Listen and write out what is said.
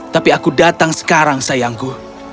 tapi aku datang sekarang sayangku